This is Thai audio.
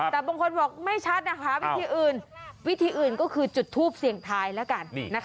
แต่บางคนบอกไม่ชัดนะคะวิธีอื่นวิธีอื่นก็คือจุดทูปเสี่ยงทายแล้วกัน